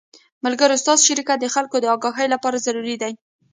ملګرو ستاسو شرکت د خلکو د اګاهۍ له پاره ضروري دے